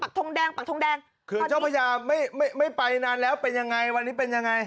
คือเจ้าพยาไม่ไปนานแล้วเป็นยังไงวันนี้เป็นยังไง